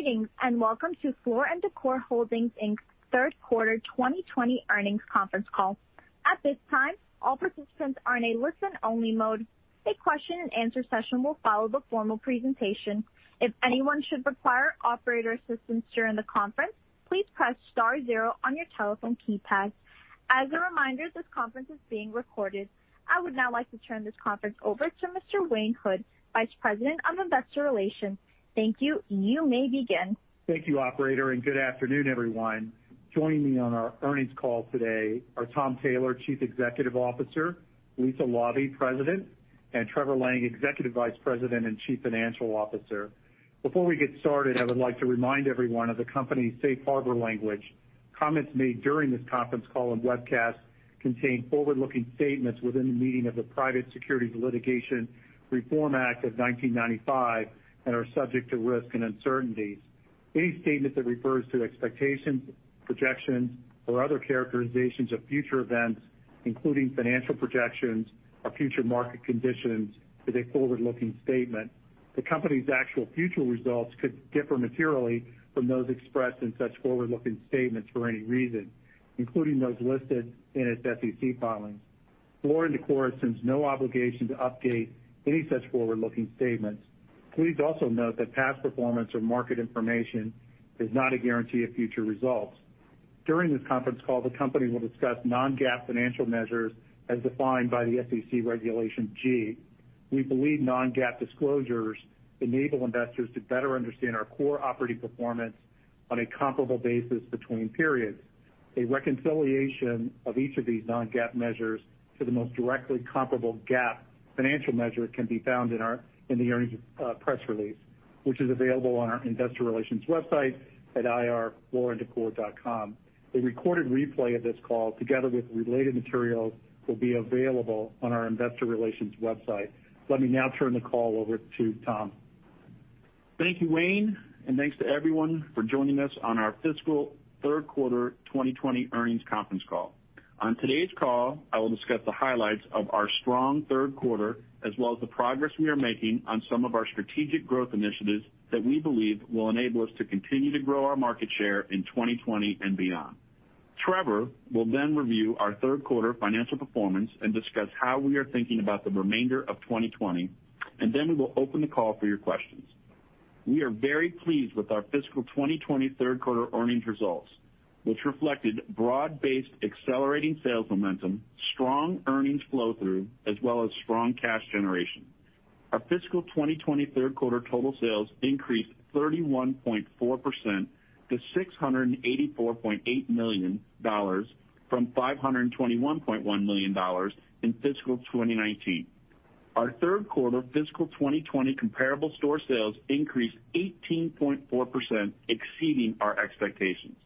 Greetings, and Welcome to Floor & Decor Holdings, Inc.'s Q3 2020 Earnings Conference Call. At this time, all participants are in a listen-only mode. A Q&A session will follow the formal presentation. If anyone should require operator assistance during the conference, please press star zero on your telephone keypad. As a reminder, this conference is being recorded. I would now like to turn this conference over to Mr. Wayne Hood, Vice President of Investor Relations. Thank you. You may begin. Thank you, operator, and good afternoon, everyone. Joining me on our earnings call today are Tom Taylor, Chief Executive Officer; Lisa Laube, President; and Trevor Lang, Executive Vice President and Chief Financial Officer. Before we get started, I would like to remind everyone of the company's safe harbor language. Comments made during this conference call and webcast contain forward-looking statements within the meaning of the Private Securities Litigation Reform Act of 1995 and are subject to risk and uncertainties. Any statement that refers to expectations, projections, or other characterizations of future events, including financial projections or future market conditions, is a forward-looking statement. The company's actual future results could differ materially from those expressed in such forward-looking statements for any reason, including those listed in its SEC filings. Floor & Decor assumes no obligation to update any such forward-looking statements. Please also note that past performance or market information is not a guarantee of future results. During this conference call, the company will discuss non-GAAP financial measures as defined by the SEC Regulation G. We believe non-GAAP disclosures enable investors to better understand our core operating performance on a comparable basis between periods. A reconciliation of each of these non-GAAP measures to the most directly comparable GAAP financial measure can be found in the earnings press release, which is available on our investor relations website at ir.flooranddecor.com. A recorded replay of this call, together with related materials, will be available on our investor relations website. Let me now turn the call over to Tom. Thank you, Wayne Hood, and thanks to everyone for joining us on our FY Q3 2020 Earnings Conference Call. On today's call, I will discuss the highlights of our strong Q3, as well as the progress we are making on some of our strategic growth initiatives that we believe will enable us to continue to grow our market share in 2020 and beyond. Trevor Lang will then review our Q3 financial performance and discuss how we are thinking about the remainder of 2020. Then we will open the call for your questions. We are very pleased with our FY 2020 Q3 earnings results, which reflected broad-based accelerating sales momentum, strong earnings flow-through, as well as strong cash generation. Our FY 2020 Q3 total sales increased 31.4% to $684.8 million from $521.1 million in FY 2019. Our Q3 FY 2020 comparable store sales increased 18.4%, exceeding our expectations.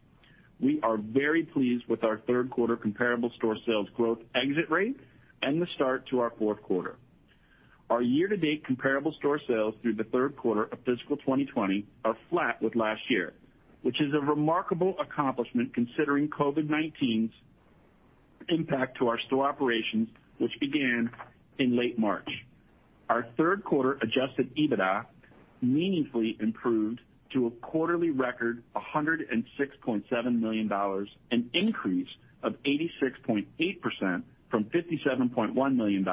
We are very pleased with our Q3 comparable store sales growth exit rate and the start to our Q4. Our year-to-date comparable store sales through the Q3 of FY 2020 are flat with last year, which is a remarkable accomplishment considering COVID-19's impact to our store operations, which began in late March. Our Q3 adjusted EBITDA meaningfully improved to a quarterly record, $106.7 million, an increase of 86.8% from $57.1 million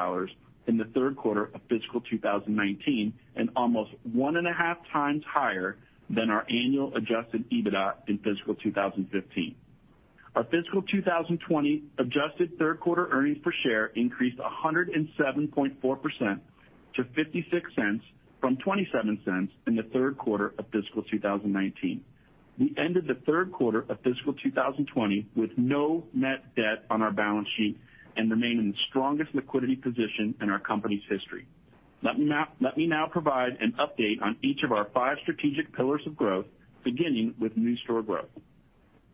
in the Q3 of FY 2019, and almost one and a half times higher than our annual adjusted EBITDA in FY 2015. Our FY 2020 adjusted Q3 earnings per share increased 107.4% to $0.56 from $0.27 in the Q3 of FY 2019. We ended the Q3 of FY 2020 with no net debt on our balance sheet and remain in the strongest liquidity position in our company's history. Let me now provide an update on each of our five strategic pillars of growth, beginning with new store growth.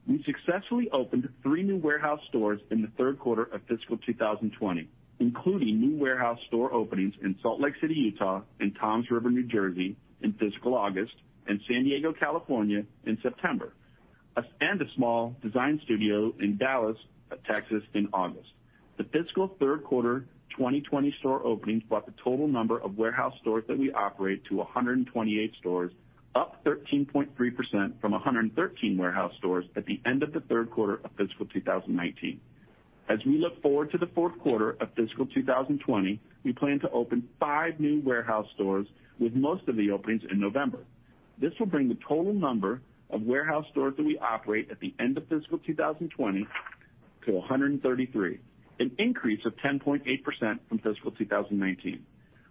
We successfully opened three new warehouse stores in the Q3 of FY 2020, including new warehouse store openings in Salt Lake City, Utah, and Toms River, New Jersey in FY August, and San Diego, California in September, a small design studio in Dallas, Texas in August. The FY Q3 2020 store openings brought the total number of warehouse stores that we operate to 128 stores, up 13.3% from 113 warehouse stores at the end of the Q3 of FY 2019. As we look forward to the Q4 of FY 2020, we plan to open five new warehouse stores, with most of the openings in November. This will bring the total number of warehouse stores that we operate at the end of FY 2020 to 133, an increase of 10.8% from FY 2019.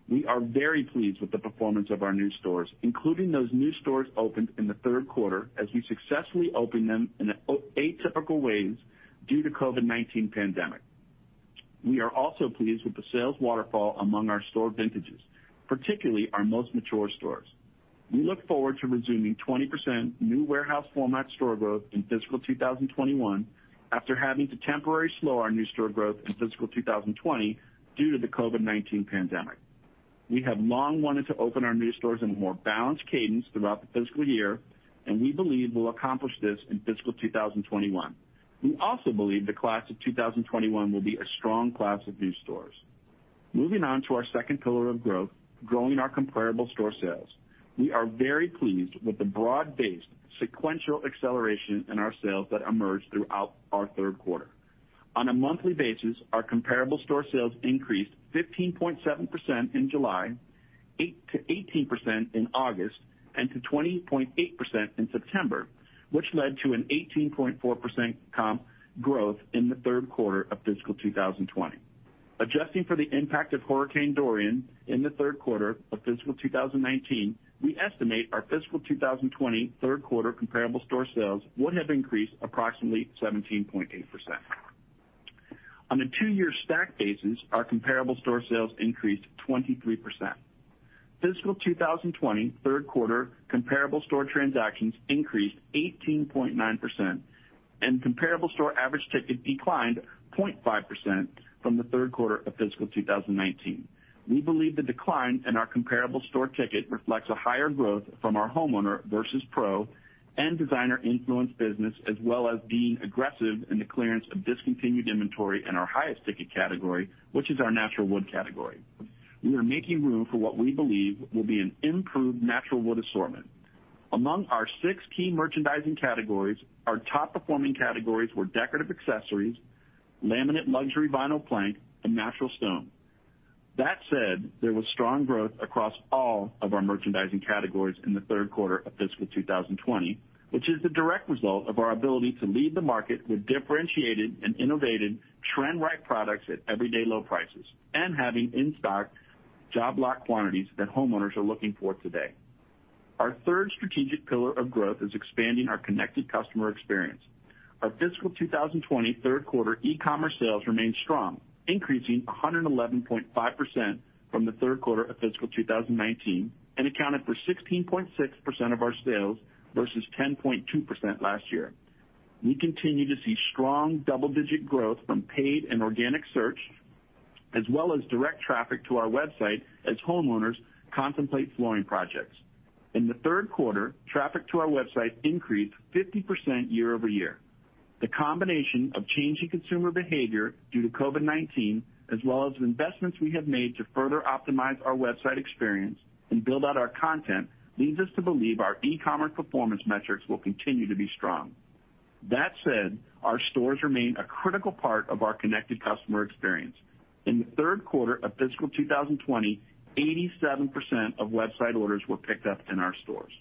We are very pleased with the performance of our new stores, including those new stores opened in the Q3, as we successfully opened them in atypical ways due to COVID-19 pandemic. We are also pleased with the sales waterfall among our store vintages, particularly our most mature stores. We look forward to resuming 20% new warehouse format store growth in FY 2021 after having to temporarily slow our new store growth in FY 2020 due to the COVID-19 pandemic. We have long wanted to open our new stores in a more balanced cadence throughout the FY, and we believe we'll accomplish this in FY 2021. We also believe the class of 2021 will be a strong class of new stores. Moving on to our second pillar of growth, growing our comparable store sales. We are very pleased with the broad-based sequential acceleration in our sales that emerged throughout our Q3. On a monthly basis, our comparable store sales increased 15.7% in July, 8%-18% in August, and to 20.8% in September, which led to an 18.4% comp growth in the Q3 of FY 2020. Adjusting for the impact of Hurricane Dorian in the Q3 of FY 2019, we estimate our FY 2020 Q3 comparable store sales would have increased approximately 17.8%. On a two-year stack basis, our comparable store sales increased 23%. FY 2020 Q3 comparable store transactions increased 18.9%, and comparable store average ticket declined 0.5% from the Q3 of FY 2019. We believe the decline in our comparable store ticket reflects a higher growth from our homeowner versus pro and designer-influenced business, as well as being aggressive in the clearance of discontinued inventory in our highest ticket category, which is our natural wood category. We are making room for what we believe will be an improved natural wood assortment. Among our 6 key merchandising categories, our top-performing categories were decorative accessories, laminate/luxury vinyl plank, and natural stone. That said, there was strong growth across all of our merchandising categories in the Q3 of FY 2020, which is the direct result of our ability to lead the market with differentiated and innovative trend-right products at everyday low prices and having in-stock job lot quantities that homeowners are looking for today. Our 3rd strategic pillar of growth is expanding our connected customer experience. Our FY 2020 Q3 e-commerce sales remained strong, increasing 111.5% from the Q3 of FY 2019 and accounted for 16.6% of our sales versus 10.2% last year. We continue to see strong double-digit growth from paid and organic search, as well as direct traffic to our website as homeowners contemplate flooring projects. In the Q3, traffic to our website increased 50% year-over-year. The combination of changing consumer behavior due to COVID-19, as well as investments we have made to further optimize our website experience and build out our content, leads us to believe our e-commerce performance metrics will continue to be strong. Our stores remain a critical part of our connected customer experience. In the Q3 of FY 2020, 87% of website orders were picked up in our stores.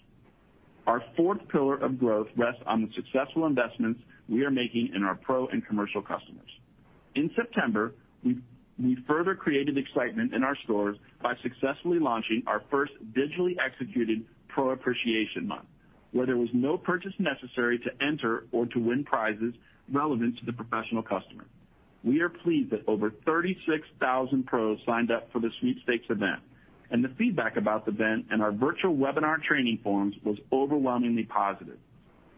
Our fourth pillar of growth rests on the successful investments we are making in our pro and commercial customers. In September, we further created excitement in our stores by successfully launching our first digitally executed pro appreciation month, where there was no purchase necessary to enter or to win prizes relevant to the professional customer. We are pleased that over 36,000 pros signed up for the sweepstakes event. The feedback about the event and our virtual webinar training forums was overwhelmingly positive.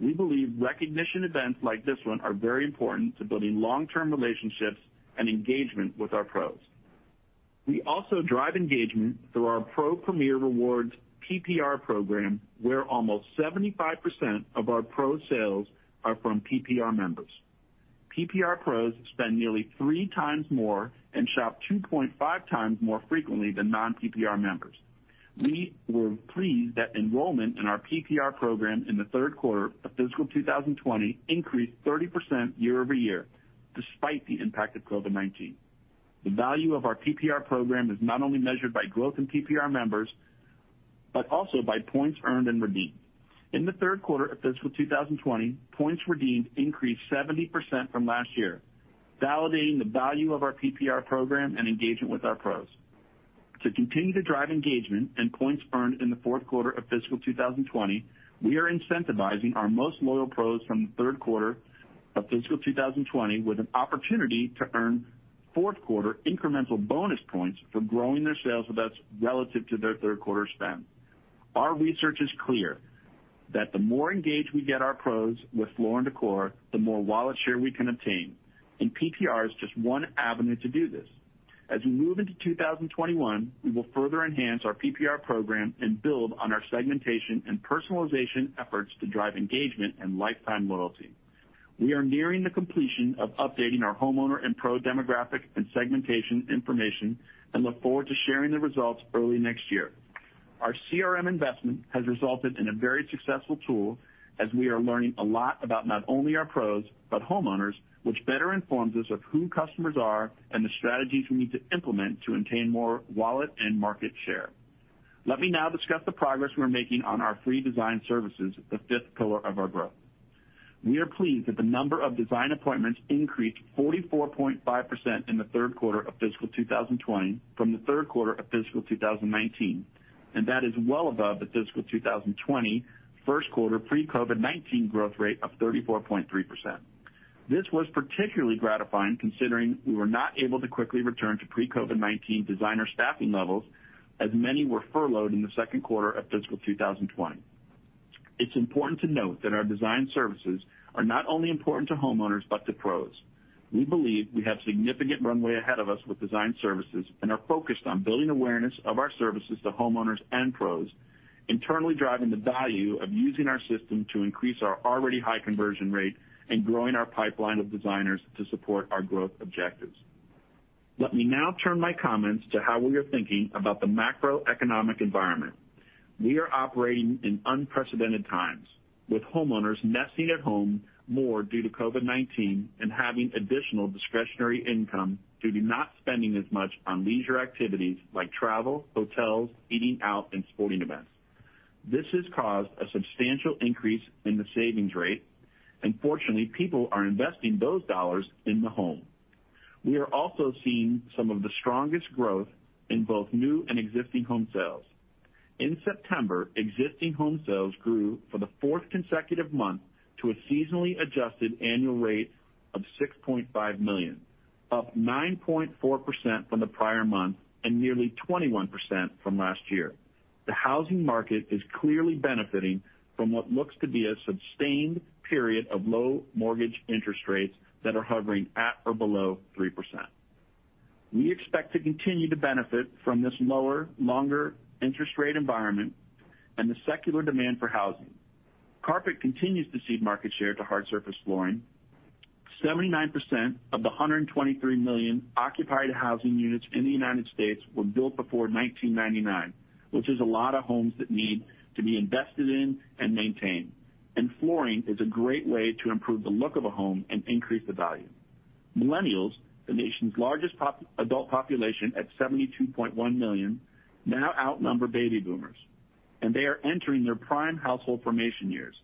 We believe recognition events like this one are very important to building long-term relationships and engagement with our pros. We also drive engagement through our Pro Premier Rewards, PPR program, where almost 75% of our pro sales are from PPR members. PPR pros spend nearly three times more and shop 2.5x more frequently than non-PPR members. We were pleased that enrollment in our PPR program in the Q3 of FY 2020 increased 30% year-over-year despite the impact of COVID-19. The value of our PPR program is not only measured by growth in PPR members, but also by points earned and redeemed. In the Q3 of FY 2020, points redeemed increased 70% from last year, validating the value of our PPR program and engagement with our pros. To continue to drive engagement and points earned in the Q4 of FY 2020, we are incentivizing our most loyal pros from the Q3 of FY 2020 with an opportunity to earn Q4 incremental bonus points for growing their sales events relative to their Q3 spend. Our research is clear that the more engaged we get our pros with Floor & Decor, the more wallet share we can obtain, and PPR is just one avenue to do this. As we move into 2021, we will further enhance our PPR program and build on our segmentation and personalization efforts to drive engagement and lifetime loyalty. We are nearing the completion of updating our homeowner and pro demographic and segmentation information and look forward to sharing the results early next year. Our CRM investment has resulted in a very successful tool as we are learning a lot about not only our pros, but homeowners, which better informs us of who customers are and the strategies we need to implement to obtain more wallet and market share. Let me now discuss the progress we're making on our free design services, the fifth pillar of our growth. We are pleased that the number of design appointments increased 44.5% in the Q3 of FY 2020 from the Q3 of FY 2019. That is well above the FY 2020 Q1 pre-COVID-19 growth rate of 34.3%. This was particularly gratifying considering we were not able to quickly return to pre-COVID-19 designer staffing levels, as many were furloughed in the Q2 of FY 2020. It's important to note that our design services are not only important to homeowners but to pros. We believe we have significant runway ahead of us with design services and are focused on building awareness of our services to homeowners and pros, internally driving the value of using our system to increase our already high conversion rate and growing our pipeline of designers to support our growth objectives. Let me now turn my comments to how we are thinking about the macroeconomic environment. We are operating in unprecedented times, with homeowners nesting at home more due to COVID-19 and having additional discretionary income due to not spending as much on leisure activities like travel, hotels, eating out, and sporting events. This has caused a substantial increase in the savings rate. Fortunately, people are investing those dollars in the home. We are also seeing some of the strongest growth in both new and existing home sales. In September, existing home sales grew for the fourth consecutive month to a seasonally adjusted annual rate of $6.5 million, up 9.4% from the prior month and nearly 21% from last year. The housing market is clearly benefiting from what looks to be a sustained period of low mortgage interest rates that are hovering at or below 3%. We expect to continue to benefit from this lower, longer interest rate environment and the secular demand for housing. Carpet continues to cede market share to hard surface flooring. 79% of the 123 million occupied housing units in the U.S. were built before 1999, which is a lot of homes that need to be invested in and maintained. Flooring is a great way to improve the look of a home and increase the value. Millennials, the nation's largest adult population at 72.1 million, now outnumber baby boomers, and they are entering their prime household formation years.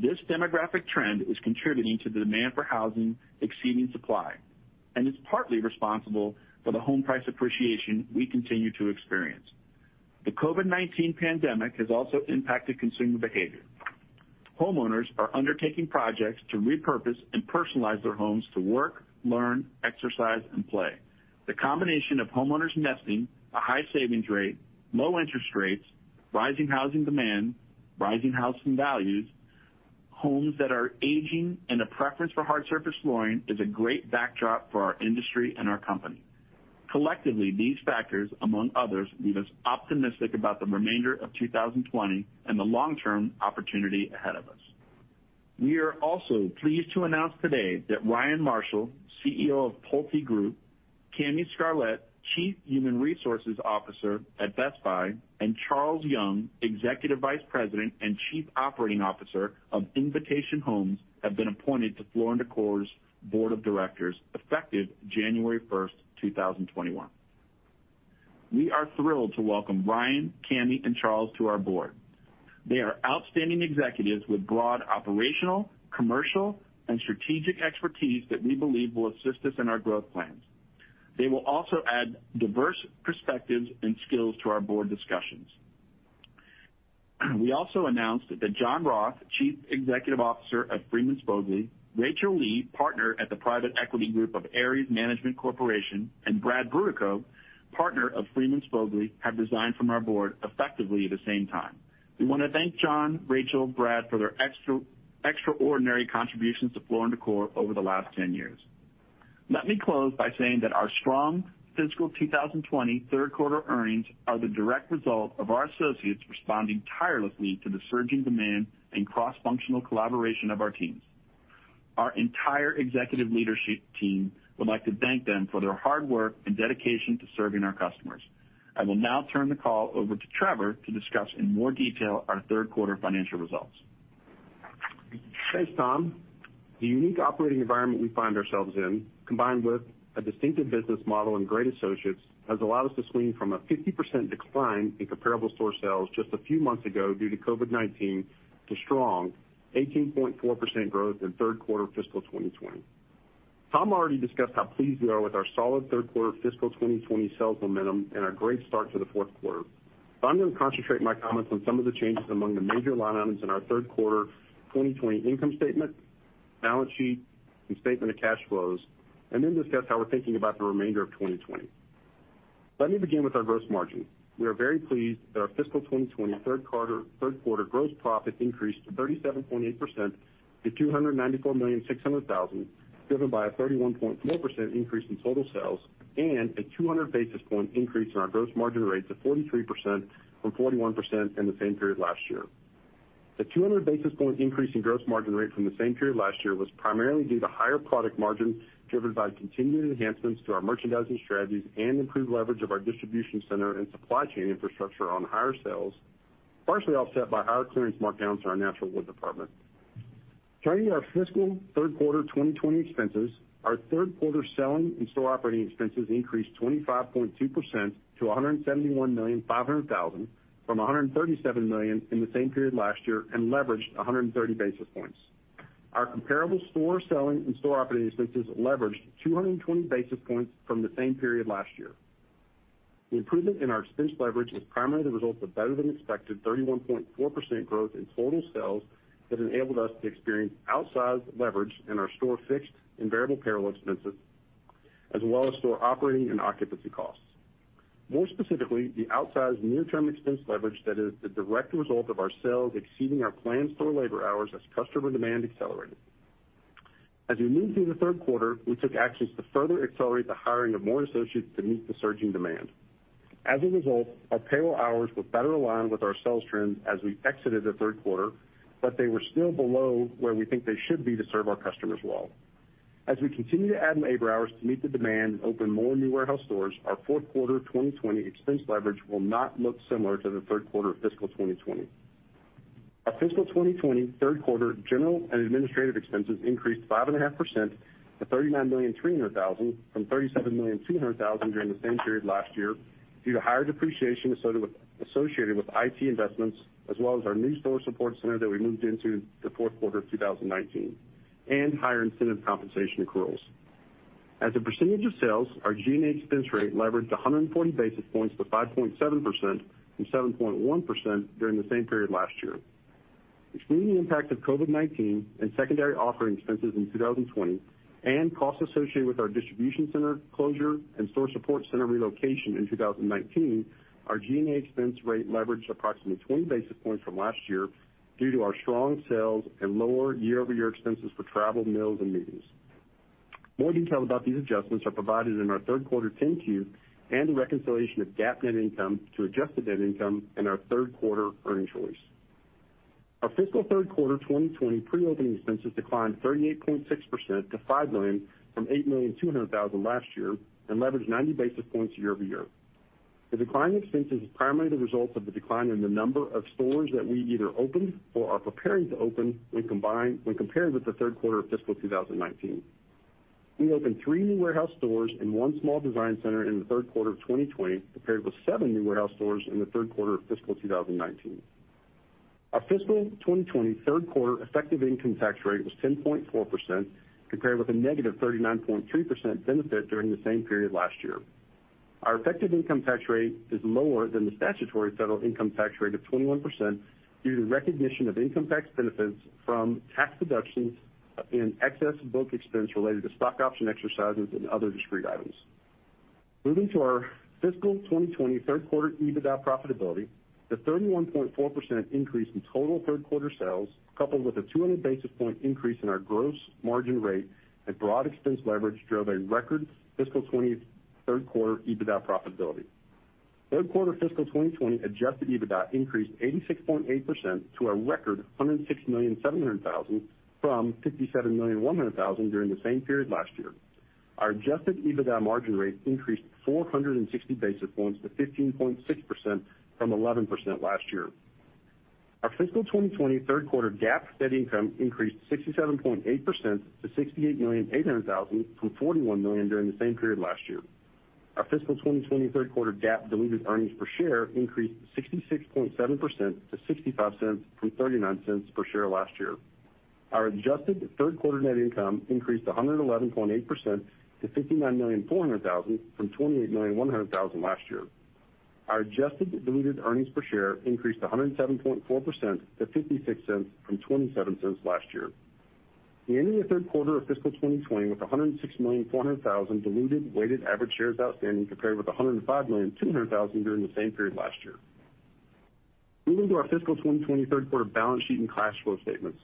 This demographic trend is contributing to the demand for housing exceeding supply, and is partly responsible for the home price appreciation we continue to experience. The COVID-19 pandemic has also impacted consumer behavior. Homeowners are undertaking projects to repurpose and personalize their homes to work, learn, exercise, and play. The combination of homeowners nesting, a high savings rate, low interest rates, rising housing demand, rising housing values, homes that are aging, and a preference for hard surface flooring is a great backdrop for our industry and our company. Collectively, these factors, among others, leave us optimistic about the remainder of 2020 and the long-term opportunity ahead of us. We are also pleased to announce today that Ryan Marshall, CEO of PulteGroup, Kamy Scarlett, Chief Human Resources Officer at Best Buy, and Charles Young, Executive Vice President and Chief Operating Officer of Invitation Homes, have been appointed to Floor & Decor's Board of Directors, effective January 1st, 2021. We are thrilled to welcome Ryan, Kamy, and Charles to our board. They are outstanding executives with broad operational, commercial, and strategic expertise that we believe will assist us in our growth plans. They will also add diverse perspectives and skills to our board discussions. We also announced that John Roth, Chief Executive Officer of Freeman Spogli, Rachel Lee, partner at the private equity group of Ares Management Corporation, and Brad Brutocao, partner of Freeman Spogli, have resigned from our board effectively at the same time. We wanna thank John, Rachel, Brad for their extraordinary contributions to Floor & Decor over the last 10 years. Let me close by saying that our strong FY 2020 Q3 earnings are the direct result of our associates responding tirelessly to the surging demand and cross-functional collaboration of our teams. Our entire executive leadership team would like to thank them for their hard work and dedication to serving our customers. I will now turn the call over to Trevor to discuss in more detail our Q3 financial results. Thanks, Tom. The unique operating environment we find ourselves in, combined with a distinctive business model and great associates, has allowed us to swing from a 50% decline in comparable store sales just a few months ago due to COVID-19 to strong 18.4% growth in Q3 FY 2020. Tom already discussed how pleased we are with our solid Q3 FY 2020 sales momentum and our great start to the Q4. I'm gonna concentrate my comments on some of the changes among the major line items in our Q3 2020 income statement, balance sheet, and statement of cash flows, and then discuss how we're thinking about the remainder of 2020. Let me begin with our gross margin. We are very pleased that our FY 2020 Q3, Q3 gross profit increased to 37.8% to $294.6 million, driven by a 31.4% increase in total sales and a 200 basis point increase in our gross margin rate to 43% from 41% in the same period last year. The 200 basis point increase in gross margin rate from the same period last year was primarily due to higher product margins driven by continued enhancements to our merchandising strategies and improved leverage of our distribution center and supply chain infrastructure on higher sales, partially offset by higher clearance markdowns to our natural wood department. Turning to our FY Q3 2020 expenses, our Q3 selling and store operating expenses increased 25.2% to $171.5 million from $137 million in the same period last year and leveraged 130 basis points. Our comparable store selling and store operating expenses leveraged 220 basis points from the same period last year. The improvement in our expense leverage was primarily the result of better than expected 31.4% growth in total sales that enabled us to experience outsized leverage in our store fixed and variable payroll expenses, as well as store operating and occupancy costs. More specifically, the outsized near term expense leverage that is the direct result of our sales exceeding our planned store labor hours as customer demand accelerated. As we moved through the Q3, we took actions to further accelerate the hiring of more associates to meet the surging demand. As a result, our payroll hours were better aligned with our sales trends as we exited the Q3, but they were still below where we think they should be to serve our customers well. As we continue to add labor hours to meet the demand and open more new warehouse stores, our Q4 2020 expense leverage will not look similar to the Q3 of FY 2020. Our FY 2020 Q3 general and administrative expenses increased 5.5% to $39.3 million from $37.2 million during the same period last year due to higher depreciation associated with IT investments as well as our new store support center that we moved into the Q4 of 2019 and higher incentive compensation accruals. As a percentage of sales, our G&A expense rate leveraged 140 basis points to 5.7% from 7.1% during the same period last year. Excluding the impact of COVID-19 and secondary offering expenses in 2020 and costs associated with our distribution center closure and store support center relocation in 2019, our G&A expense rate leveraged approximately 20 basis points from last year due to our strong sales and lower year-over-year expenses for travel, meals, and meetings. More detail about these adjustments are provided in our Q3 10-Q and the reconciliation of GAAP net income to adjusted net income in our Q3 earnings release. Our FY Q3 2020 pre-opening expenses declined 38.6% to $5 million from $8.2 million last year and leveraged 90 basis points year-over-year. The decline in expenses is primarily the result of the decline in the number of stores that we either opened or are preparing to open when compared with the Q3 of FY 2019. We opened three new warehouse stores and 1 small design center in the Q3 of 2020, compared with seven new warehouse stores in the Q3 of FY 2019. Our FY 2020 Q3 effective income tax rate was 10.4% compared with a negative 39.3% benefit during the same period last year. Our effective income tax rate is lower than the statutory federal income tax rate of 21% due to recognition of income tax benefits from tax deductions in excess book expense related to stock option exercises and other discrete items. Moving to our FY 2020 Q3 EBITDA profitability, the 31.4% increase in total Q3 sales, coupled with a 200 basis point increase in our gross margin rate and broad expense leverage, drove a record FY 2020 Q3 EBITDA profitability. Q3 FY 2020 adjusted EBITDA increased 86.8% to a record $106.7 million from $57.1 million during the same period last year. Our adjusted EBITDA margin rate increased 460 basis points to 15.6% from 11% last year. Our FY 2020 Q3 GAAP net income increased 67.8% to $68.8 million from $41 million during the same period last year. Our FY 2020 Q3 GAAP diluted earnings per share increased 66.7% to $0.65 from $0.39 per share last year. Our adjusted Q3 net income increased 111.8% to $59.4 million from $28.1 million last year. Our adjusted diluted earnings per share increased 107.4% to $0.56 from $0.27 last year. We ended the Q3 of FY 2020 with $106.4 million diluted weighted average shares outstanding compared with $105.2 million during the same period last year. Moving to our FY 2020 Q3 balance sheet and cash flow statements.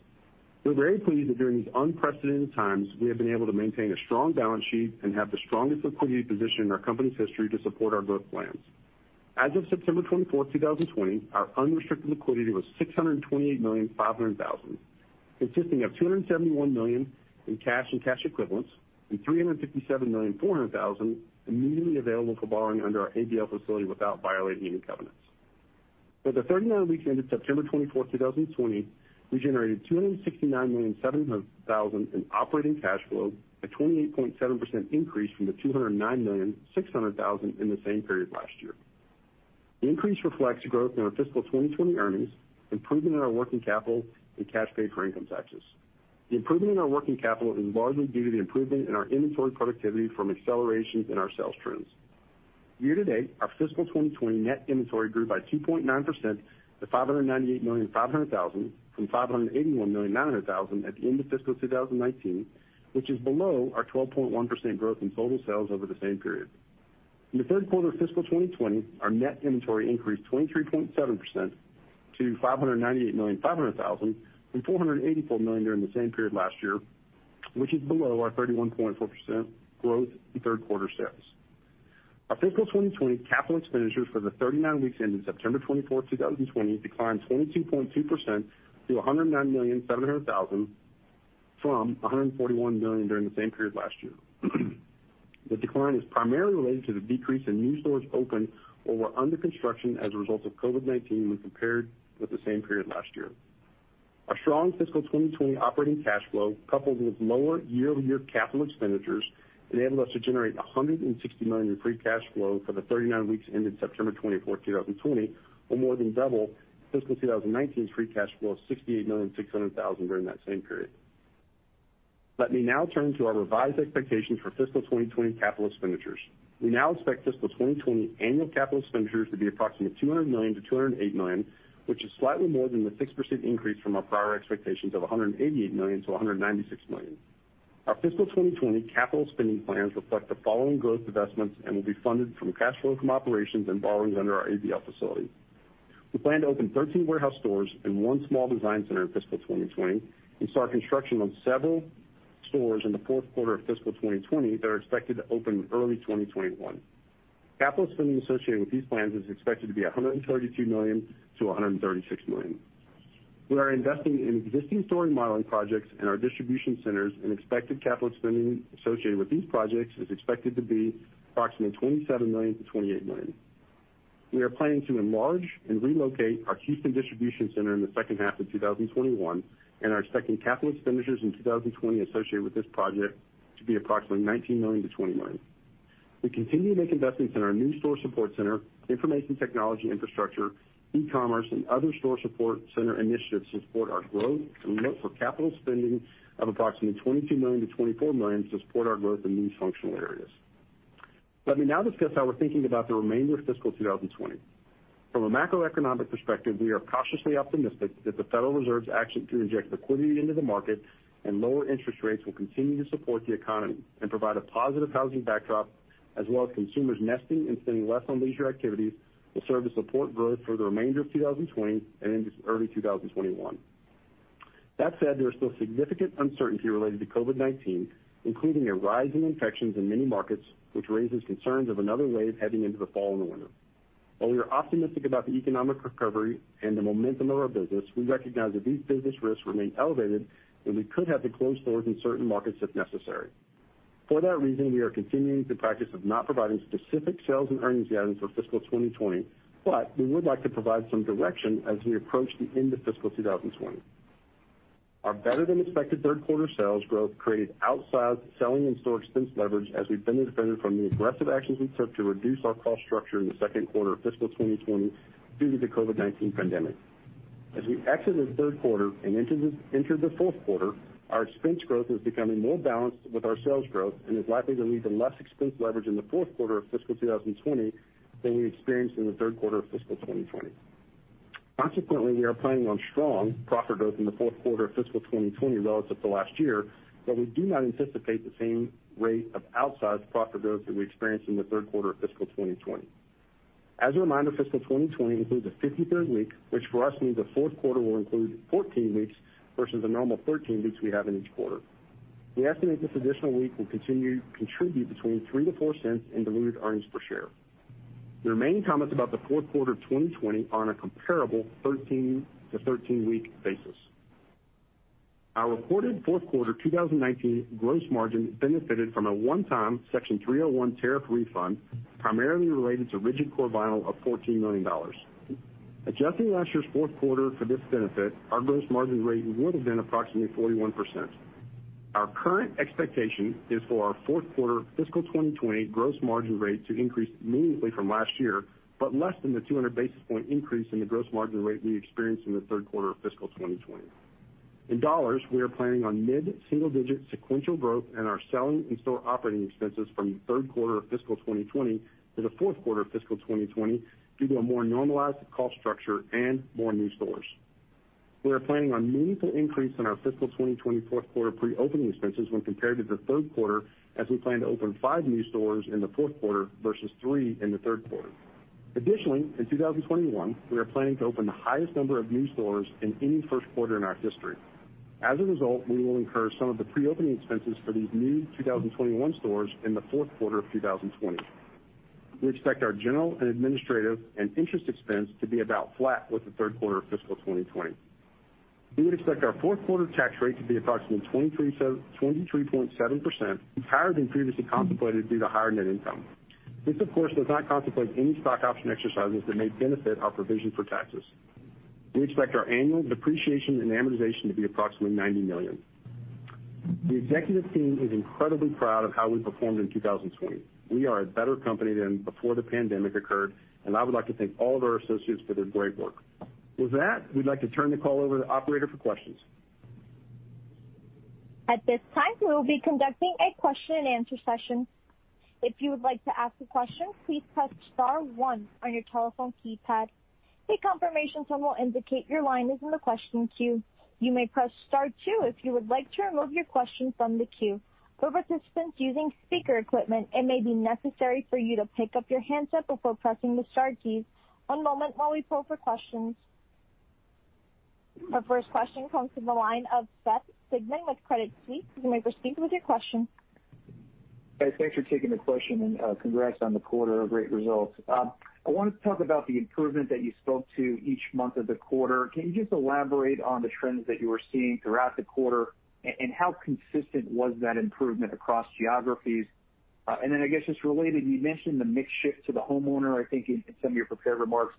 We're very pleased that during these unprecedented times, we have been able to maintain a strong balance sheet and have the strongest liquidity position in our company's history to support our growth plans. As of September 24, 2020, our unrestricted liquidity was $628.5 million, consisting of $271 million in cash and cash equivalents and $357.4 million immediately available for borrowing under our ABL facility without violating any covenants. For the 39 weeks ended September 24, 2020, we generated $269.7 million in operating cash flow, a 28.7% increase from the $209.6 million in the same period last year. The increase reflects growth in our FY 2020 earnings, improvement in our working capital, and cash paid for income taxes. The improvement in our working capital is largely due to the improvement in our inventory productivity from accelerations in our sales trends. Year to date, our FY 2020 net inventory grew by 2.9% to $598.5 million from $581.9 million at the end of FY 2019, which is below our 12.1% growth in total sales over the same period. In the Q3 of FY 2020, our net inventory increased 23.7% to $598.5 million from $484 million during the same period last year, which is below our 31.4% growth in Q3 sales. Our FY 2020 CapEx for the 39 weeks ending September 24, 2020, declined 22.2% to $109.7 million from $141 million during the same period last year. The decline is primarily related to the decrease in new stores opened or were under construction as a result of COVID-19 when compared with the same period last year. Our strong FY 2020 operating cash flow, coupled with lower year-over-year CapEx, enabled us to generate $160 million in free cash flow for the 39 weeks ended September 24, 2020, or more than double FY 2019's free cash flow of $68.6 million during that same period. Let me now turn to our revised expectations for FY 2020 CapEx. We now expect FY 2020 annual capital expenditures to be approximately $200 million-$208 million, which is slightly more than the 6% increase from our prior expectations of $188 million-$196 million. Our FY 2020 capital spending plans reflect the following growth investments and will be funded from cash flow from operations and borrowings under our ABL facility. We plan to open 13 warehouse stores and one small design center in FY 2020 and start construction on several stores in the Q4 of FY 2020 that are expected to open in early 2021. Capital spending associated with these plans is expected to be $132 million-$136 million. We are investing in existing store remodeling projects and our distribution centers. Expected capital spending associated with these projects is expected to be approximately $27 million-$28 million. We are planning to enlarge and relocate our Houston distribution center in the second half of 2021. We are expecting capital expenditures in 2020 associated with this project to be approximately $19 million-$20 million. We continue to make investments in our new store support center, information technology infrastructure, e-commerce, and other store support center initiatives to support our growth. We look for capital spending of approximately $22 million-$24 million to support our growth in these functional areas. Let me now discuss how we're thinking about the remainder of FY 2020. From a macroeconomic perspective, we are cautiously optimistic that the Federal Reserve's action to inject liquidity into the market and lower interest rates will continue to support the economy and provide a positive housing backdrop, as well as consumers nesting and spending less on leisure activities will serve to support growth for the remainder of 2020 and into early 2021. That said, there is still significant uncertainty related to COVID-19, including a rise in infections in many markets, which raises concerns of another wave heading into the fall and the winter. While we are optimistic about the economic recovery and the momentum of our business, we recognize that these business risks remain elevated, and we could have to close stores in certain markets if necessary. For that reason, we are continuing the practice of not providing specific sales and earnings guidance for FY 2020, but we would like to provide some direction as we approach the end of FY 2020. Our better than expected Q3 sales growth created outsized selling and store expense leverage as we benefited from the aggressive actions we took to reduce our cost structure in the Q2 of FY 2020 due to the COVID-19 pandemic. As we exit the Q3 and enter the Q4, our expense growth is becoming more balanced with our sales growth and is likely to lead to less expense leverage in the Q4 of FY 2020 than we experienced in the Q3 of FY 2020. Consequently, we are planning on strong profit growth in the Q4 of FY 2020 relative to last year, but we do not anticipate the same rate of outsized profit growth that we experienced in the Q3 of FY 2020. As a reminder, FY 2020 includes a 53rd week, which for us means the Q4 will include 14 weeks versus the normal 13 weeks we have in each quarter. We estimate this additional week will continue, contribute between $0.03-$0.04 in diluted earnings per share. The remaining comments about the Q4 of 2020 are on a comparable 13 to 13-week basis. Our reported Q4 2019 gross margin benefited from a one-time Section 301 tariff refund, primarily related to rigid core vinyl of $14 million. Adjusting last year's Q4 for this benefit, our gross margin rate would have been approximately 41%. Our current expectation is for our Q4 FY 2020 gross margin rate to increase meaningfully from last year, but less than the 200 basis point increase in the gross margin rate we experienced in the Q3 of FY 2020. In dollars, we are planning on mid-single-digit sequential growth in our selling and store operating expenses from the Q3 of FY 2020 to the Q4 of FY 2020 due to a more normalized cost structure and more new stores. We are planning on meaningful increase in our FY 2020 Q4 pre-opening expenses when compared to the Q3 as we plan to open five new stores in the Q4 versus three in the Q3. Additionally, in 2021, we are planning to open the highest number of new stores in any Q1 in our history. As a result, we will incur some of the pre-opening expenses for these new 2021 stores in the Q4 of 2020. We expect our general and administrative and interest expense to be about flat with the Q3 of FY 2020. We would expect our Q4 tax rate to be approximately 23.7%, higher than previously contemplated due to higher net income. This, of course, does not contemplate any stock option exercises that may benefit our provision for taxes. We expect our annual depreciation and amortization to be approximately $90 million. The executive team is incredibly proud of how we performed in 2020. We are a better company than before the pandemic occurred, and I would like to thank all of our associates for their great work. With that, we'd like to turn the call over to operator for questions. At this time, we will be conducting a Q&A session. If you would like to ask a question, please press star one on your telephone keypad. The confirmation will indicate your line in the question queue. You may press star two if you would like to remove your question from the queue. If you are using speaker equipment, it may be necessary for you to pick up for hand before pressing the star key. One moment for first question. Our first question comes from the line of Seth Sigman with Credit Suisse. You may proceed with your question. Guys, thanks for taking the question and congrats on the quarter. Great results. I wanted to talk about the improvement that you spoke to each month of the quarter. Can you just elaborate on the trends that you were seeing throughout the quarter and how consistent was that improvement across geographies? Then I guess just related, you mentioned the mix shift to the homeowner, I think in some of your prepared remarks.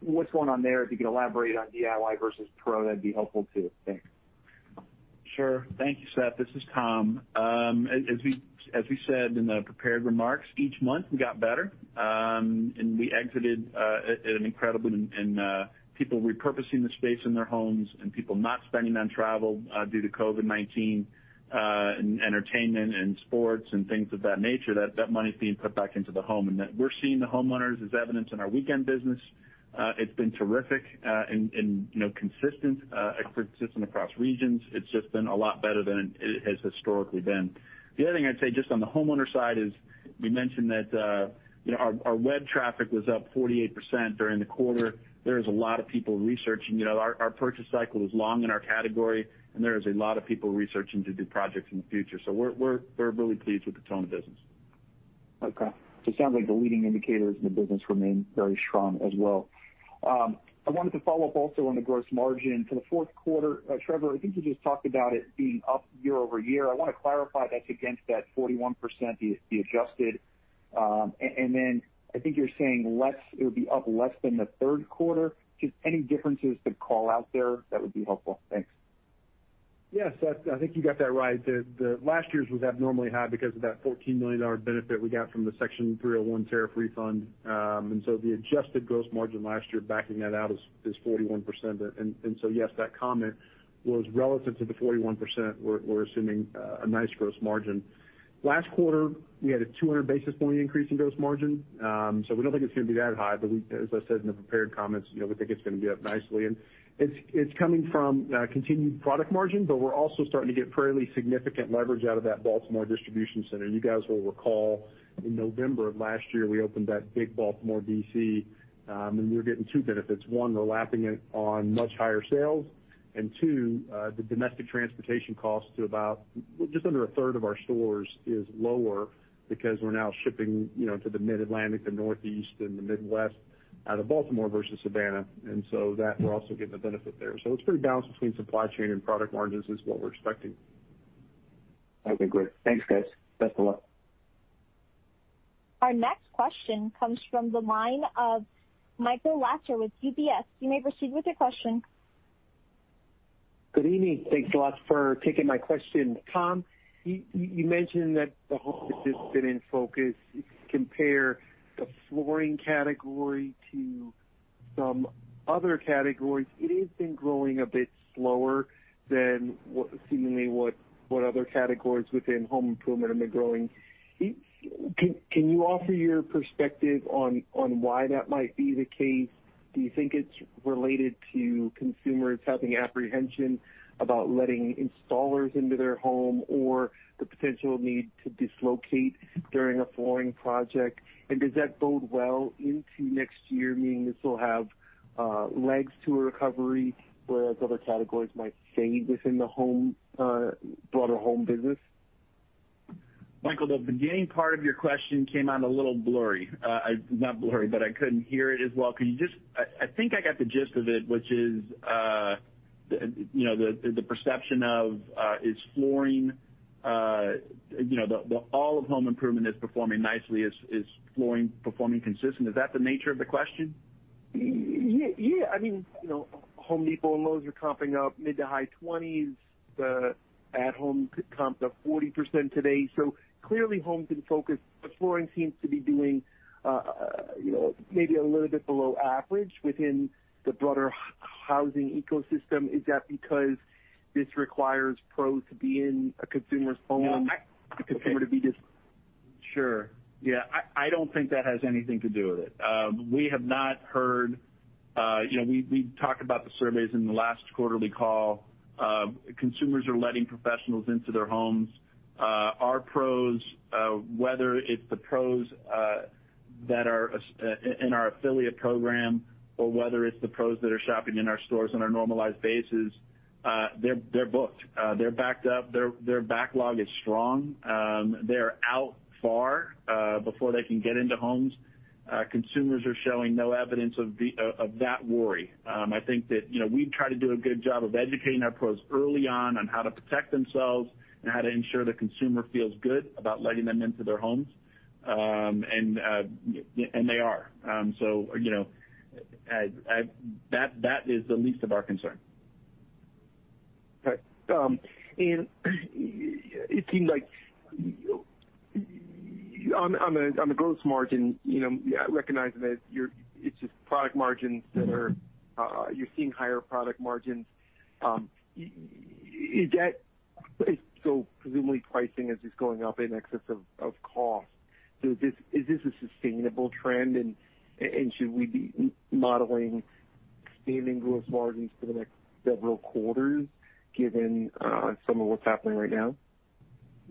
What's going on there? If you could elaborate on DIY versus pro, that'd be helpful too. Thanks. Sure. Thank you, Seth. This is Tom. As we said in the prepared remarks, each month we got better. We exited at an incredibly. People repurposing the space in their homes and people not spending on travel due to COVID-19 and entertainment and sports and things of that nature, that money's being put back into the home. We're seeing the homeowners, as evidenced in our weekend business. It's been terrific, and, you know, consistent across regions. It's just been a lot better than it has historically been. The other thing I'd say, just on the homeowner side is we mentioned that, you know, our web traffic was up 48% during the quarter. There is a lot of people researching. You know, our purchase cycle is long in our category, and there is a lot of people researching to do projects in the future. We're really pleased with the tone of business. It sounds like the leading indicators in the business remain very strong as well. I wanted to follow up also on the gross margin for the Q4. Trevor, I think you just talked about it being up year-over-year. I wanna clarify that's against that 41%, the adjusted. I think you're saying less it would be up less than the Q3. Just any differences to call out there, that would be helpful. Thanks. I think you got that right. The last year's was abnormally high because of that $14 million benefit we got from the Section 301 tariff refund. The adjusted gross margin last year backing that out is 41%. Yes, that comment was relative to the 41%. We're assuming a nice gross margin. Last quarter, we had a 200 basis point increase in gross margin. We don't think it's going to be that high, but we, as I said in the prepared comments, you know, we think it's going to be up nicely. It's coming from continued product margin, but we're also starting to get fairly significant leverage out of that Baltimore distribution center. You guys will recall in November of last year, we opened that big Baltimore DC., and we're getting two benefits. One, we're lapping it on much higher sales. Two, the domestic transportation costs to about just under a third of our stores is lower because we're now shipping, you know, to the Mid-Atlantic, the Northeast and the Midwest out of Baltimore versus Savannah. That, we're also getting a benefit there. It's pretty balanced between supply chain and product margins is what we're expecting. Okay, great. Thanks, guys. Best of luck. Our next question comes from the line of Michael Lasser with UBS. You may proceed with your question. Good evening. Thanks a lot for taking my question. Tom, you mentioned that the home has just been in focus. If you compare the flooring category to some other categories, it has been growing a bit slower than seemingly what other categories within home improvement have been growing. Can you offer your perspective on why that might be the case? Do you think it's related to consumers having apprehension about letting installers into their home or the potential need to dislocate during a flooring project? Does that bode well into next year, meaning this will have legs to a recovery, whereas other categories might fade within the home broader home business? Michael, the beginning part of your question came out a little blurry. Not blurry, but I couldn't hear it as well. Can you just I think I got the gist of it, which is the, you know, the perception of is flooring, you know, the all of home improvement is performing nicely. Is flooring performing consistent? Is that the nature of the question? Yeah. I mean, you know, Home Depot and Lowe's are comping up mid to high twenties. The at home could comp to 40% today. Clearly, home's in focus, flooring seems to be doing, you know, maybe a little bit below average within the broader housing ecosystem. Is that because this requires pros to be in a consumer's home? You know. for them to be this- Sure. I don't think that has anything to do with it. We have not heard. You know, we talked about the surveys in the last quarterly call. Consumers are letting professionals into their homes. Our pros, whether it's the pros that are in our affiliate program or whether it's the pros that are shopping in our stores on a normalized basis, they're booked. They're backed up. Their backlog is strong. They're out far before they can get into homes. Consumers are showing no evidence of that worry. I think that, you know, we try to do a good job of educating our pros early on how to protect themselves and how to ensure the consumer feels good about letting them into their homes. They are. You know, that is the least of our concern. Right. It seems like, you know, on the, on the gross margin, you know, recognizing that you're seeing higher product margins. Is that presumably pricing is just going up in excess of cost. Is this a sustainable trend, and should we be modeling expanding gross margins for the next several quarters given some of what's happening right now?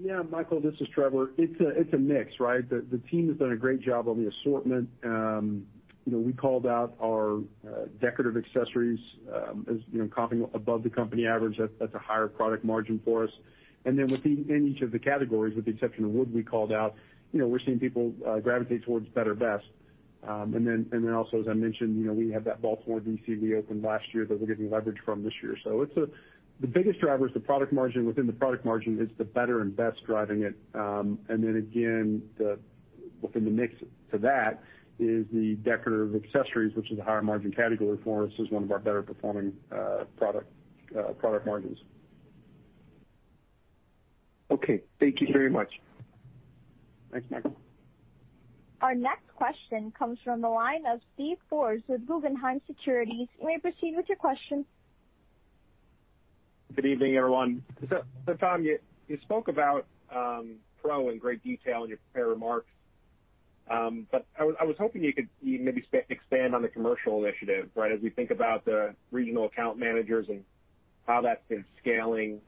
Yeah, Michael, this is Trevor. It's a mix, right? The team has done a great job on the assortment. You know, we called out our decorative accessories as, you know, comping above the company average. That's a higher product margin for us. With the in each of the categories, with the exception of wood we called out, you know, we're seeing people gravitate towards better, best. Also as I mentioned, you know, we have that Baltimore, D.C. we opened last year that we're getting leverage from this year. The biggest driver is the product margin. Within the product margin, it's the better and best driving it. The within the mix to that is the decorative accessories, which is a higher margin category for us, is one of our better performing, product margins. Okay. Thank you very much. Thanks, Michael. Our next question comes from the line of Steven Forbes with Guggenheim Securities. You may proceed with your question. Good evening, everyone. Tom, you spoke about Pro in great detail in your prepared remarks. I was hoping you could maybe expand on the commercial initiative, right? As we think about the regional account managers and how that's been scaling,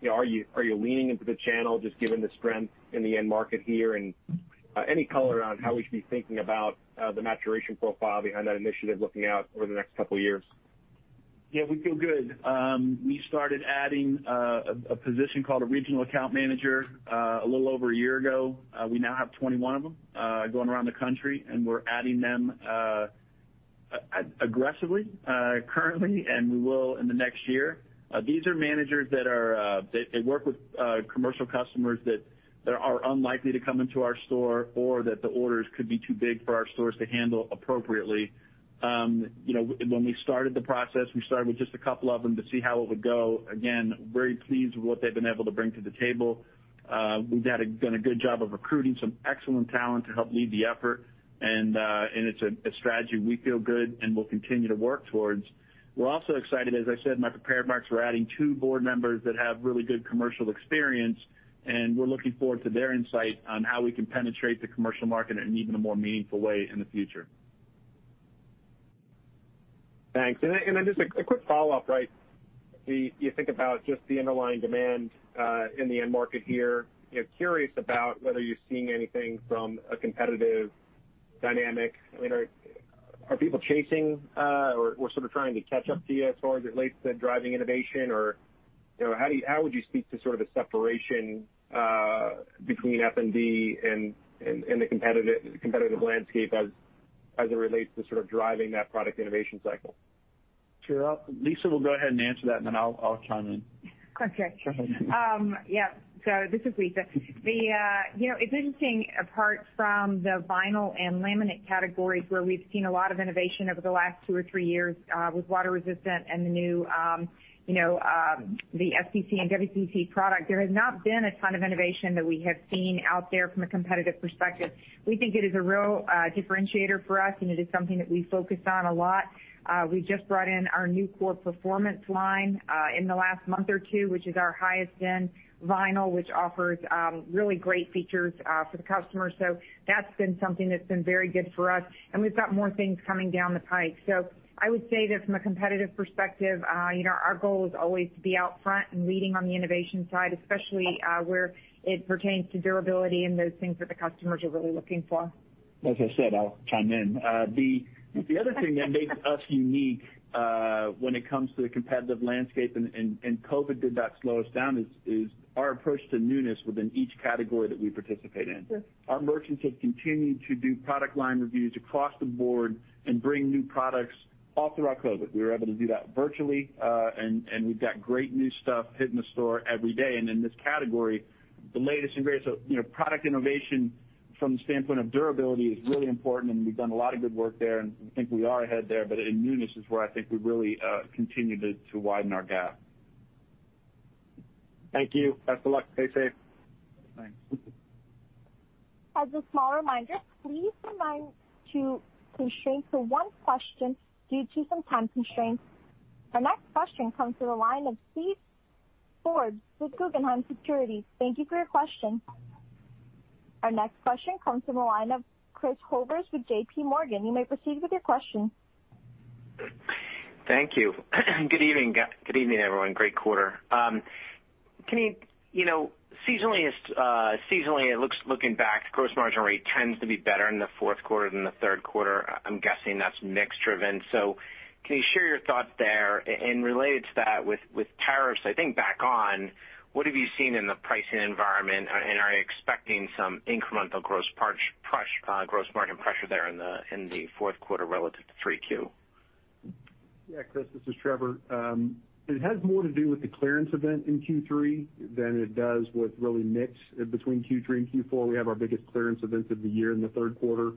you know, are you leaning into the channel just given the strength in the end market here? Any color around how we should be thinking about the maturation profile behind that initiative looking out over the next couple years? Yeah, we feel good. We started adding a position called a regional account manager a little over a year ago. We now have 21 of them going around the country, and we're adding them aggressively currently, and we will in the next year. These are managers that are they work with commercial customers that are unlikely to come into our store or that the orders could be too big for our stores to handle appropriately. You know, when we started the process, we started with just a couple of them to see how it would go. Again, very pleased with what they've been able to bring to the table. We've done a good job of recruiting some excellent talent to help lead the effort, and it's a strategy we feel good and will continue to work towards. We're also excited, as I said in my prepared remarks, we're adding two board members that have really good commercial experience, and we're looking forward to their insight on how we can penetrate the commercial market in an even more meaningful way in the future. Thanks. Just a quick follow-up, right? You think about just the underlying demand in the end market here. You know, curious about whether you're seeing anything from a competitive dynamic. I mean, are people chasing or sort of trying to catch up to you as far as it relates to driving innovation? You know, how would you speak to sort of a separation between F&D and the competitive landscape as it relates to sort of driving that product innovation cycle? Sure. Lisa will go ahead and answer that, and then I'll chime in. Okay. Go ahead. Yeah. This is Lisa. The, you know, it's interesting, apart from the vinyl and laminate categories where we've seen a lot of innovation over the last two or three years, with water resistant and the new, you know, the SPC and WPC product. There has not been a ton of innovation that we have seen out there from a competitive perspective. We think it is a real differentiator for us, and it is something that we focus on a lot. We just brought in our new NuCore Performance line in the last month or two, which is our highest end vinyl, which offers really great features for the customer. That's been something that's been very good for us, and we've got more things coming down the pike. I would say that from a competitive perspective, you know, our goal is always to be out front and leading on the innovation side, especially, where it pertains to durability and those things that the customers are really looking for. Like I said, I'll chime in. The other thing that makes us unique when it comes to the competitive landscape and COVID did not slow us down, is our approach to newness within each category that we participate in. Yes. Our merchants have continued to do product line reviews across the board and bring new products all throughout COVID. We were able to do that virtually, and we've got great new stuff hitting the store every day. In this category, the latest and greatest, you know, product innovation from the standpoint of durability is really important, and we've done a lot of good work there, and I think we are ahead there. In newness is where I think we really continue to widen our gap. Thank you. Best of luck. Stay safe. Thanks. As a small reminder, please remind to constrain to one question due to some time constraints. Our next question comes from the line of Steven Forbes with Guggenheim Securities. Thank you for your question. Our next question comes from the line of Christopher Horvers with JPMorgan. You may proceed with your question. Thank you. Good evening, everyone. Great quarter. You know, seasonally is, seasonally looking back, gross margin rate tends to be better in the Q4 than the Q3. I'm guessing that's mix driven. Can you share your thought there? Related to that, with tariffs, I think back on, what have you seen in the pricing environment? Are you expecting some incremental gross margin pressure there in the Q4 relative to 3Q? Yeah, Chris, this is Trevor. It has more to do with the clearance event in Q3 than it does with really mix between Q3 and Q4. We have our biggest clearance event of the year in the Q3.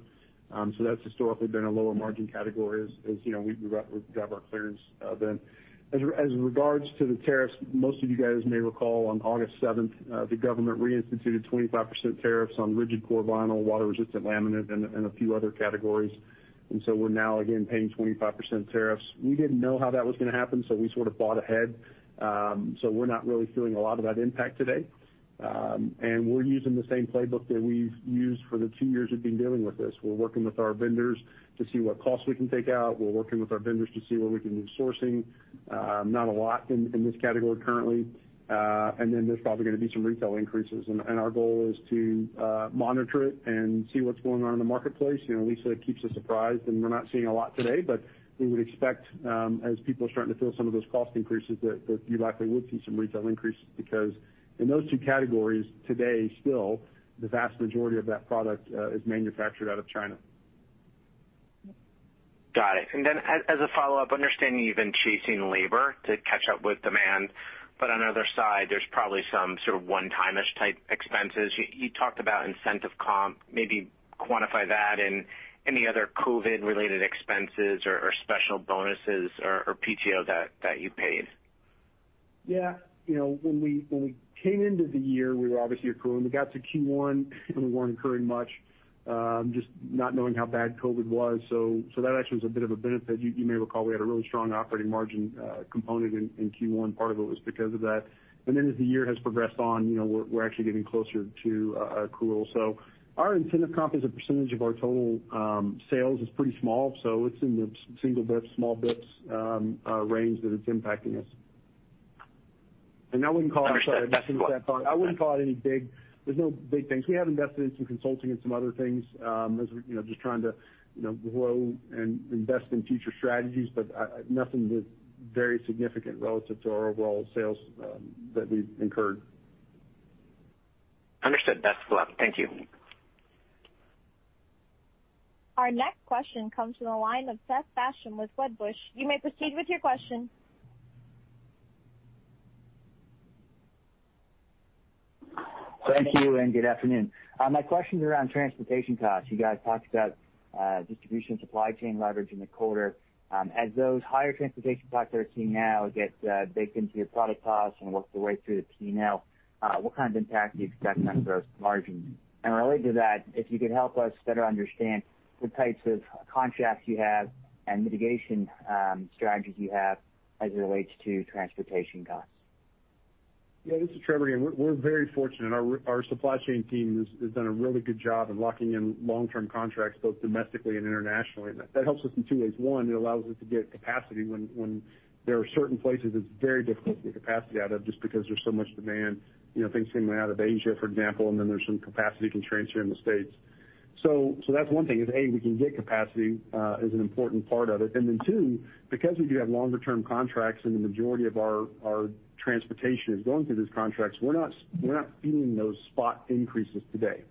That's historically been a lower margin category, as you know, we have our clearance event. As regards to the tariffs, most of you guys may recall on August 7th, the government reinstituted 25% tariffs on rigid core vinyl, water resistant laminate, and a few other categories. We're now again paying 25% tariffs. We didn't know how that was gonna happen, so we sort of bought ahead. We're not really feeling a lot of that impact today. We're using the same playbook that we've used for the two years we've been dealing with this. We're working with our vendors to see what costs we can take out. We're working with our vendors to see where we can move sourcing. Not a lot in this category currently. Then there's probably gonna be some retail increases. Our goal is to monitor it and see what's going on in the marketplace. You know, Lisa keeps us apprised, and we're not seeing a lot today, but we would expect as people are starting to feel some of those cost increases, that you likely would see some retail increases because in those two categories today, still, the vast majority of that product is manufactured out of China. Got it. As a follow-up, understanding you've been chasing labor to catch up with demand, but on the other side, there's probably some sort of one-timish type expenses. You talked about incentive comp, maybe quantify that and any other COVID related expenses or special bonuses or PTO that you paid. Yeah. You know, when we came into the year, we were obviously accruing. We got to Q1, we weren't incurring much, just not knowing how bad COVID was. That actually was a bit of a benefit. You may recall we had a really strong operating margin component in Q1. Part of it was because of that. As the year has progressed on, you know, we're actually getting closer to accrual. Our incentive comp as a percentage of our total sales is pretty small, so it's in the single bips, small bips range that it's impacting us. I wouldn't call it. I'm sorry. That's cool. I wouldn't call it any big. There's no big things. We have invested in some consulting and some other things, as we, you know, just trying to, you know, grow and invest in future strategies, but nothing with very significant relative to our overall sales that we've incurred. Understood. That's cool. Thank you. Our next question comes from the line of Seth Basham with Wedbush Securities. You may proceed with your question. Thank you, and good afternoon. My question's around transportation costs. You guys talked about distribution supply chain leverage in the quarter. As those higher transportation costs that we're seeing now get baked into your product costs and work their way through the P&L, what kind of impact are you expecting on gross margin? Related to that, if you could help us better understand the types of contracts you have and mitigation strategies you have as it relates to transportation costs. This is Trevor again. We're very fortunate. Our supply chain team has done a really good job of locking in long-term contracts both domestically and internationally. That helps us in two ways. One, it allows us to get capacity when there are certain places it's very difficult to get capacity out of just because there's so much demand. You know, things coming out of Asia, for example, there's some capacity constraints here in the States. That's one thing is, A, we can get capacity, is an important part of it. Two, because we do have longer-term contracts and the majority of our transportation is going through those contracts, we're not feeling those spot increases today.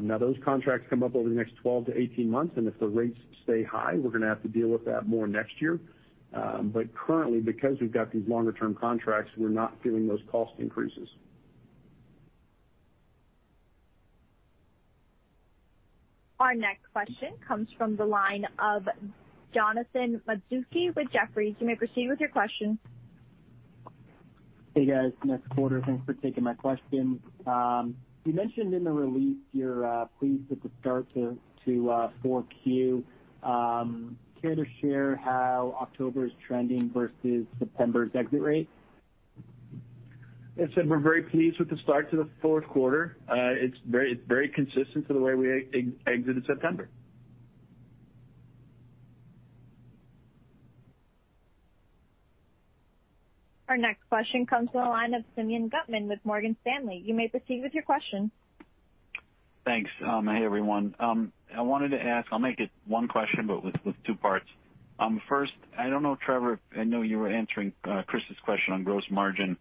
Now those contracts come up over the next 12 to 18 months, and if the rates stay high, we're gonna have to deal with that more next year. Currently, because we've got these longer-term contracts, we're not feeling those cost increases. Our next question comes from the line of Jonathan Matuszewski with Jefferies. You may proceed with your question. Hey, guys. Next quarter, thanks for taking my question. You mentioned in the release you're pleased with the start to Q4. Care to share how October is trending versus September's exit rate? I said we're very pleased with the start to the Q4. It's very, very consistent to the way we exited September. Our next question comes from the line of Simeon Gutman with Morgan Stanley. You may proceed with your question. Thanks. Hey, everyone. I wanted to ask I'll make it one question, but with two parts. First, I don't know, Trevor Lang, I know you were answering Chris Horvers's question on gross margin.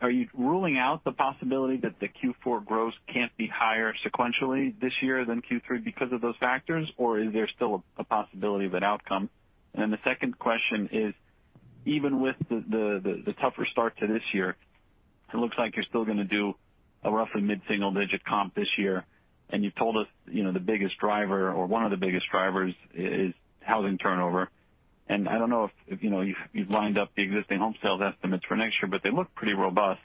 Are you ruling out the possibility that the Q4 gross can't be higher sequentially this year than Q3 because of those factors, or is there still a possibility of an outcome? The 2nd question is, even with the tougher start to this year, it looks like you're still gonna do a roughly mid-single digit comp this year. You told us, you know, the biggest driver or one of the biggest drivers is housing turnover. I don't know if, you know, you've lined up the existing home sales estimates for next year, but they look pretty robust.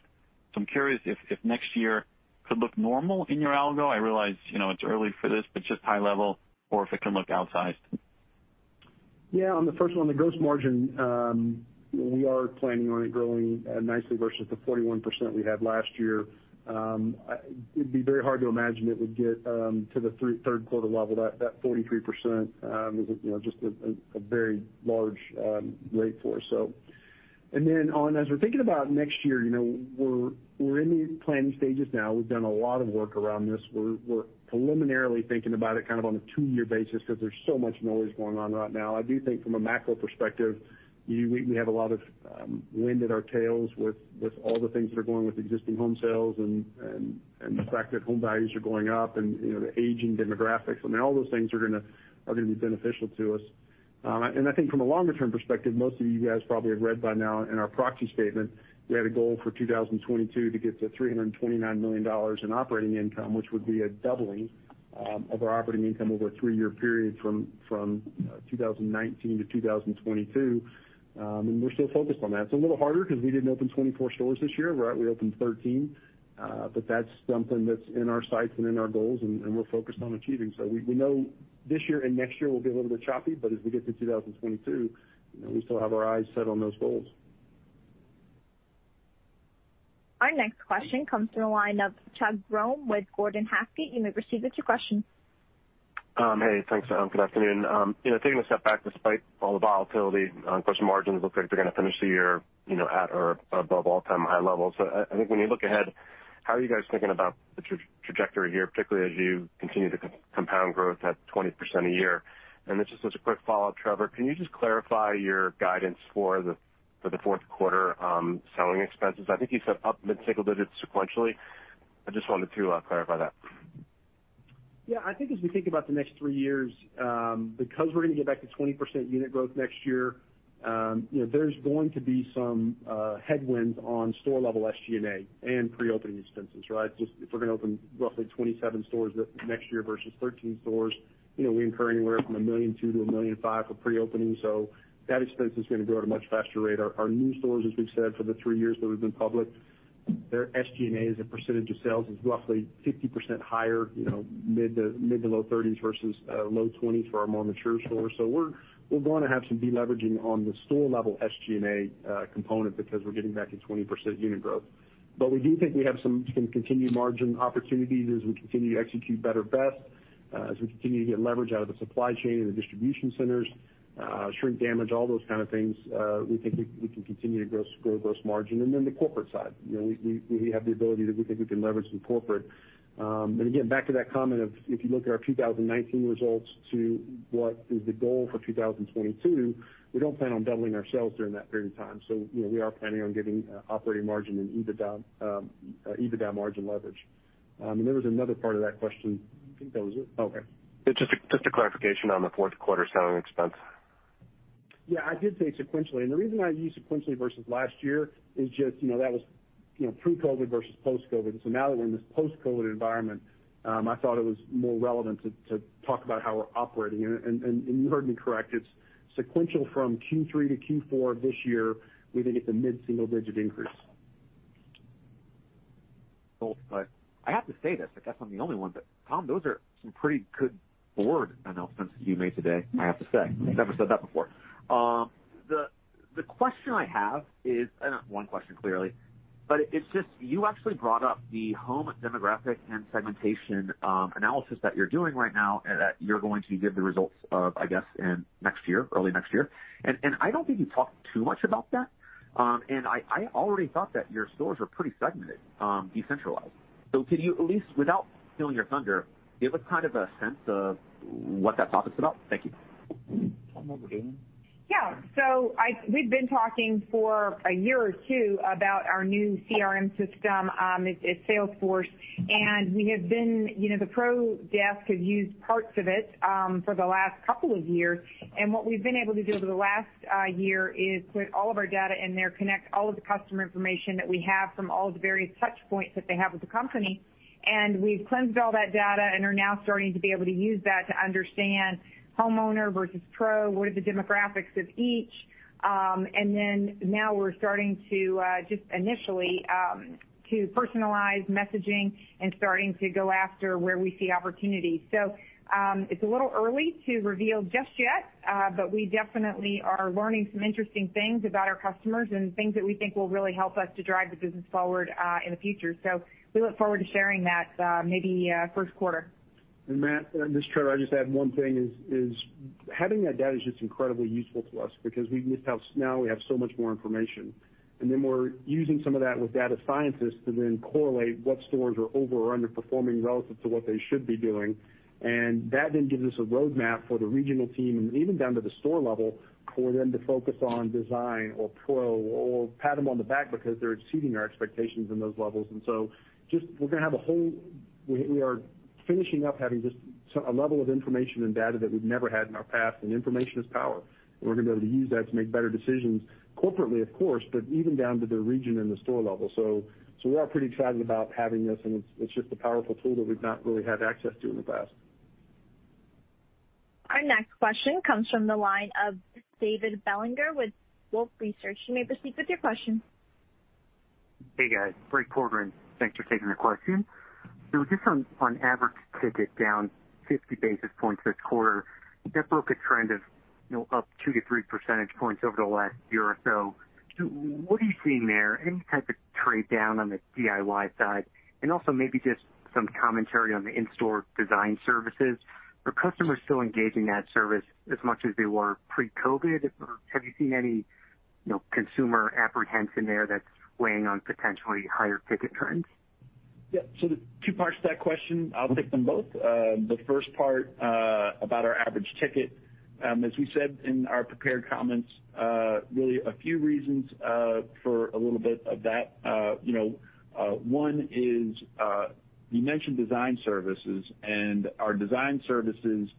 I'm curious if next year could look normal in your algo. I realize, you know, it's early for this, but just high level or if it can look outsized. Yeah. On the first one on the gross margin, we are planning on it growing nicely versus the 41% we had last year. It'd be very hard to imagine it would get to the Q3 level. That 43% is a, you know, just a very large rate for us. Then as we're thinking about next year, you know, we're in the planning stages now. We've done a lot of work around this. We're preliminarily thinking about it kind of on a two year basis because there's so much noise going on right now. I do think from a macro perspective, we have a lot of wind at our tails with all the things that are going with existing home sales and the fact that home values are going up and, you know, the aging demographics. I mean, all those things are gonna be beneficial to us. I think from a longer term perspective, most of you guys probably have read by now in our proxy statement, we had a goal for 2022 to get to $329 million in operating income, which would be a doubling of our operating income over a three-year period from 2019 to 2022. We're still focused on that. It's a little harder because we didn't open 24 stores this year. We opened 13. That's something that's in our sights and in our goals, and we're focused on achieving. We know this year and next year will be a little bit choppy, but as we get to 2022, you know, we still have our eyes set on those goals. Our next question comes from the line of Charles Grom with Gordon Haskett. You may proceed with your question. Hey. Thanks. Good afternoon. You know, taking a step back, despite all the volatility, gross margins look like they're gonna finish the year, you know, at or above all-time high levels. I think when you look ahead, how are you guys thinking about the trajectory here, particularly as you continue to compound growth at 20% a year? Just as a quick follow-up, Trevor, can you just clarify your guidance for the Q4, selling expenses? I think you said up mid-single digits sequentially. I just wanted to clarify that. I think as we think about the next three years, because we're gonna get back to 20% unit growth next year, you know, there's going to be some headwinds on store-level SG&A and pre-opening expenses, right? Just if we're gonna open roughly 27 stores next year versus 13 stores, you know, we incur anywhere from $1.2 million to $1.5 million for pre-opening. That expense is gonna grow at a much faster rate. Our new stores, as we've said, for the three years that we've been public, their SG&A as a percentage of sales is roughly 50% higher, you know, mid- to low 30s versus low 20s for our more mature stores. We're going to have some deleveraging on the store level SG&A component because we're getting back to 20% unit growth. We do think we have some continued margin opportunities as we continue to execute Better Best, as we continue to get leverage out of the supply chain and the distribution centers, shrink damage, all those kind of things, we think we can continue to grow gross margin. The corporate side. You know, we have the ability that we think we can leverage some corporate. Again, back to that comment of if you look at our 2019 results to what is the goal for 2022, we don't plan on doubling our sales during that period of time. You know, we are planning on getting operating margin and EBITDA margin leverage. There was another part of that question. I think that was it. Okay. Just a clarification on the Q4 selling expense. Yeah, I did say sequentially. The reason I used sequentially versus last year is just, you know, that was, you know, pre-COVID versus post-COVID. Now that we're in this post-COVID environment, I thought it was more relevant to talk about how we're operating. You heard me correct, it's sequential from Q3 to Q4 this year, we think it's a mid-single digit increase. Cool. I have to say this, I guess I'm the only one, but Tom, those are some pretty good board announcements you made today, I have to say. Thank you. I've never said that before. The question I have is I know it's one question, clearly, but it's just you actually brought up the home demographic and segmentation analysis that you're doing right now, and that you're going to give the results of, I guess, in next year, early next year. I don't think you talked too much about that. I already thought that your stores were pretty segmented, decentralized. Could you at least, without stealing your thunder, give us kind of a sense of what that topic's about? Thank you. Tom, over to you. Yeah. We've been talking for a year or two about our new CRM system, it's Salesforce. We have been You know, the pro desk have used parts of it for the last couple of years. What we've been able to do over the last year is put all of our data in there, connect all of the customer information that we have from all the various touch points that they have with the company, and we've cleansed all that data and are now starting to be able to use that to understand homeowner versus pro, what are the demographics of each. Now we're starting to just initially to personalize messaging and starting to go after where we see opportunities. It's a little early to reveal just yet, but we definitely are learning some interesting things about our customers and things that we think will really help us to drive the business forward in the future. We look forward to sharing that, maybe Q1. Matt, this is Trevor, I'd just add one thing is, having that data is just incredibly useful to us because now we have so much more information. We're using some of that with data scientists to then correlate what stores are over or underperforming relative to what they should be doing. That then gives us a roadmap for the regional team and even down to the store level for them to focus on design or pro or pat them on the back because they're exceeding our expectations in those levels. Just we're gonna have a whole We are finishing up having just a level of information and data that we've never had in our past, and information is power, and we're gonna be able to use that to make better decisions corporately, of course, but even down to the region and the store level. We are pretty excited about having this, and it's just a powerful tool that we've not really had access to in the past. Our next question comes from the line of David Bellinger with Wolfe Research. You may proceed with your question. Hey, guys, great quarter and thanks for taking the question. Just on average ticket down 50 basis points this quarter, that broke a trend of, you know, up 2% to 3% points over the last year or so. What are you seeing there? Any type of trade down on the DIY side? Also maybe just some commentary on the in-store design services. Are customers still engaging that service as much as they were pre-COVID? Or have you seen any, you know, consumer apprehension there that's weighing on potentially higher ticket trends? Yeah. There's two parts to that question. I'll take them both. The first part, about our average ticket, as we said in our prepared comments, really a few reasons for a little bit of that. You know, one is, you mentioned design services, and our design services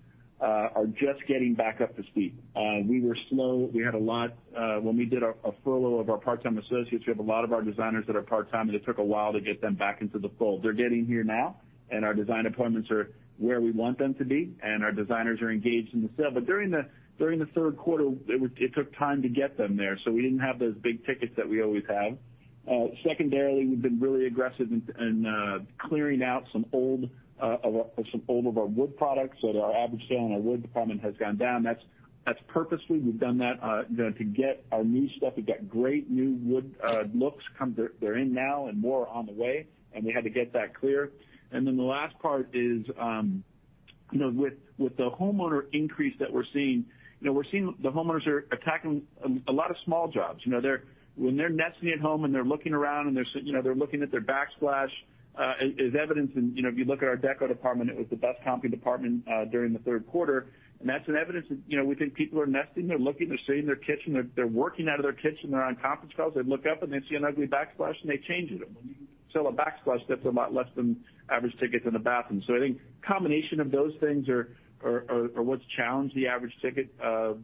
are just getting back up to speed. We were slow. We had a lot, when we did a furlough of our part-time associates, we have a lot of our designers that are part-time, and it took a while to get them back into the fold. They're getting here now, and our design appointments are where we want them to be, and our designers are engaged in the sale. During the Q3, it took time to get them there, so we didn't have those big tickets that we always have. Secondarily, we've been really aggressive in clearing out some old of our wood products, so our average sale on our wood department has gone down. That's purposely. We've done that, you know, to get our new stuff. We've got great new wood, looks come They're in now and more on the way, and we had to get that clear. The last part is, you know, with the homeowner increase that we're seeing, you know, we're seeing the homeowners are attacking a lot of small jobs. You know, when they're nesting at home and they're looking around and they're, you know, they're looking at their backsplash, as evidence in. If you look at our deco department, it was the best-comping department during the Q3. That's evidence that, you know, we think people are nesting. They're looking, they're sitting in their kitchen, they're working out of their kitchen, they're on conference calls, they look up and they see an ugly backsplash and they change it. When you sell a backsplash, that's a lot less than average ticket than a bathroom. I think combination of those things are what's challenged the average ticket. You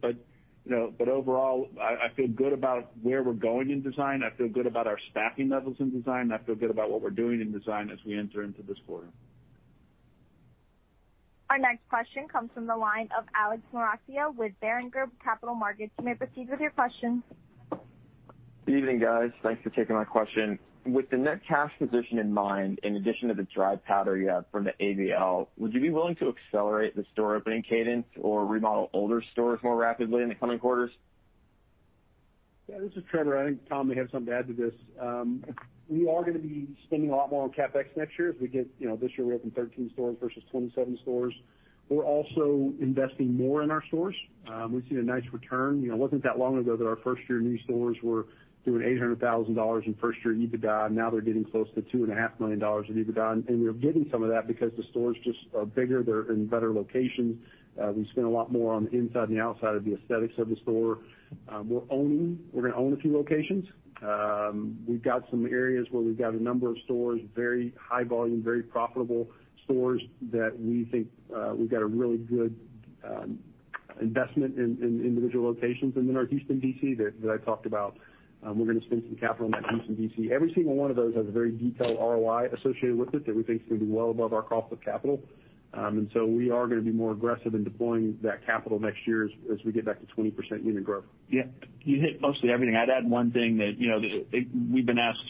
know, but overall, I feel good about where we're going in design. I feel good about our staffing levels in design. I feel good about what we're doing in design as we enter into this quarter. Our next question comes from the line of Alex Maroccia with Berenberg Capital Markets. You may proceed with your question. Evening, guys. Thanks for taking my question. With the net cash position in mind, in addition to the dry powder you have from the ABL, would you be willing to accelerate the store opening cadence or remodel older stores more rapidly in the coming quarters? Yeah, this is Trevor. I think Tom may have something to add to this. We are gonna be spending a lot more on CapEx next year as we get, you know, this year we opened 13 stores versus 27 stores. We're also investing more in our stores. We've seen a nice return. You know, it wasn't that long ago that our first year new stores were doing $800,000 in first year EBITDA. Now they're getting close to $2.5 million in EBITDA, and we're getting some of that because the stores just are bigger. They're in better locations. We spend a lot more on the inside and the outside of the aesthetics of the store. We're gonna own a few locations. We've got some areas where we've got a number of stores, very high volume, very profitable stores that we think we've got a really good investment in individual locations. Our Houston DC that I talked about, we're gonna spend some capital on that Houston DC. Every single one of those has a very detailed ROI associated with it that we think is gonna be well above our cost of capital. We are gonna be more aggressive in deploying that capital next year as we get back to 20% unit growth. Yeah. You hit mostly everything. I'd add one thing that, you know, we've been asked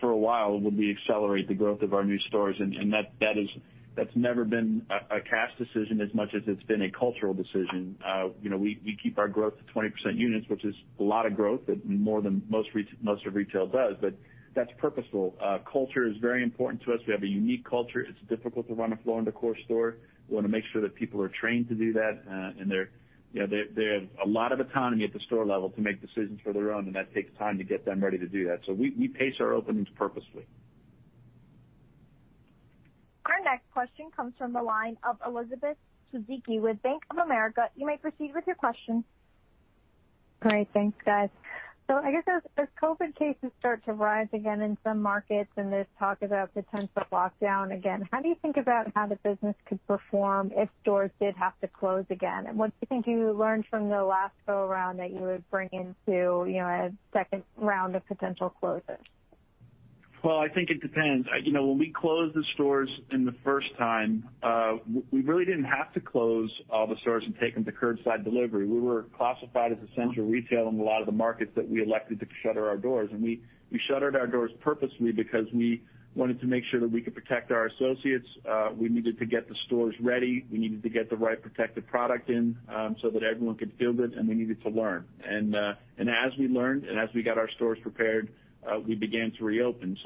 for a while, would we accelerate the growth of our new stores? That is, that's never been a cash decision as much as it's been a cultural decision. You know, we keep our growth to 20% units, which is a lot of growth that more than most of retail does, but that's purposeful. Culture is very important to us. We have a unique culture. It's difficult to run a Floor & Decor store. We wanna make sure that people are trained to do that, and they're, you know, they have a lot of autonomy at the store level to make decisions for their own, and that takes time to get them ready to do that. We pace our openings purposefully. Our next question comes from the line of Elizabeth Suzuki with Bank of America. You may proceed with your question. Great. Thanks, guys. I guess as COVID cases start to rise again in some markets and there's talk about potential lockdown again, how do you think about how the business could perform if stores did have to close again? What do you think you learned from the last go around that you would bring into, you know, a second round of potential closures? Well, I think it depends. You know, when we closed the stores in the first time, we really didn't have to close all the stores and take them to curbside delivery. We were classified as essential retail in a lot of the markets that we elected to shutter our doors, and we shuttered our doors purposefully because we wanted to make sure that we could protect our associates. We needed to get the stores ready. We needed to get the right protective product in, so that everyone could feel good, and we needed to learn. As we learned and as we got our stores prepared, we began to reopen.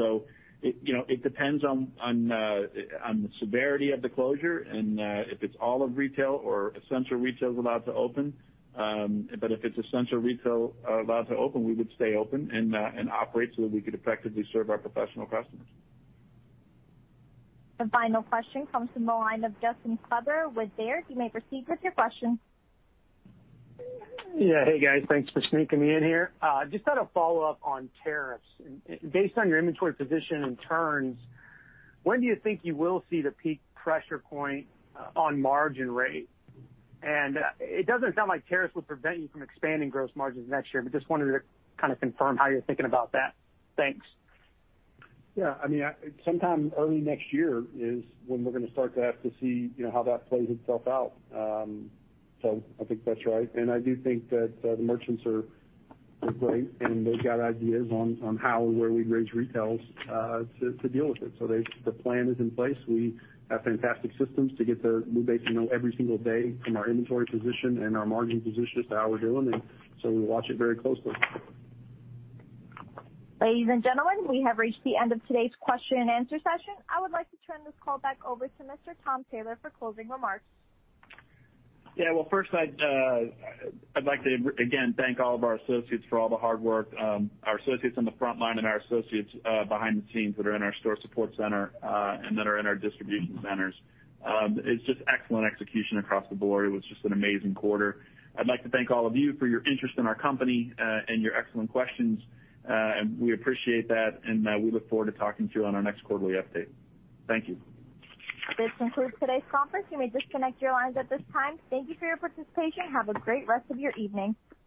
You know, it depends on the severity of the closure and if it's all of retail or essential retail's allowed to open. If it's essential retail, allowed to open, we would stay open and operate so that we could effectively serve our professional customers. The final question comes from the line of Justin Kleber with Baird. You may proceed with your question. Yeah. Hey, guys. Thanks for sneaking me in here. Just had a follow-up on tariffs. And based on your inventory position and turns, when do you think you will see the peak pressure point on margin rate? It doesn't sound like tariffs would prevent you from expanding gross margins next year, but just wanted to kind of confirm how you're thinking about that. Thanks. Yeah. I mean, sometime early next year is when we're going to start to have to see, you know, how that plays itself out. I think that's right. I do think that the merchants are great, and they've got ideas on how and where we raise retails to deal with it. The plan is in place. We have fantastic systems to get the new base, you know, every single day from our inventory position and our margin position as to how we're doing, we watch it very closely. Ladies and gentlemen, we have reached the end of today's question and answer session. I would like to turn this call back over to Mr. Tom Taylor for closing remarks. Well, first I'd like to again thank all of our associates for all the hard work, our associates on the front line and our associates behind the scenes that are in our store support center and that are in our distribution centers. It's just excellent execution across the board. It was just an amazing quarter. I'd like to thank all of you for your interest in our company and your excellent questions. We appreciate that, and we look forward to talking to you on our next quarterly update. Thank you. This concludes today's conference. You may disconnect your lines at this time. Thank you for your participation. Have a great rest of your evening.